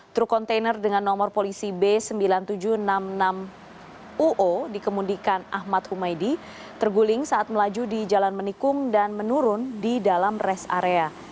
truk kontainer dengan nomor polisi b sembilan ribu tujuh ratus enam puluh enam uo dikemudikan ahmad humaydi terguling saat melaju di jalan menikung dan menurun di dalam rest area